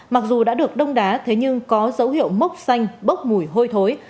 mặc dù đã được đông đá thế nhưng có dấu hiệu mốc xanh bốc mùi hôi thối